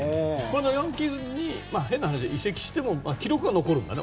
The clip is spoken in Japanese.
ヤンキースに変な話、移籍しても記録は残るんだね。